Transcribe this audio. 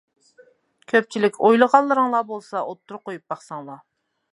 كۆپچىلىك ئويلىغانلىرىڭلار بولسا ئوتتۇرىغا قويۇپ باقساڭلار!